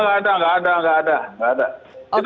oh nggak ada nggak ada nggak ada